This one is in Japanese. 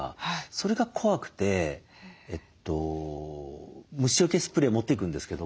それが怖くて虫よけスプレーを持っていくんですけども裏を見て説明を。